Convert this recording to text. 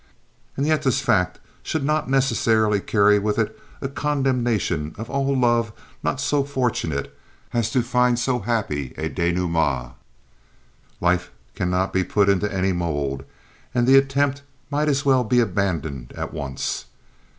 And yet this fact should not necessarily carry with it a condemnation of all love not so fortunate as to find so happy a denouement. Life cannot be put into any mold, and the attempt might as well be abandoned at once.